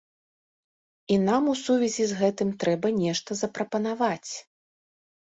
І нам у сувязі з гэтым трэба нешта запрапанаваць.